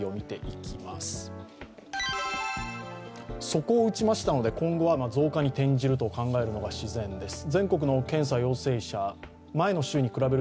底を打ちましたので今後は増加に転じると考えるのが自然です。